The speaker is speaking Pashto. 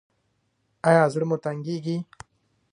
ایا زړه مو تنګیږي؟